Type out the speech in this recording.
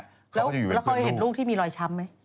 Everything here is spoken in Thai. แล้วเคยเห็นลูกที่มีรอยช้ำไหม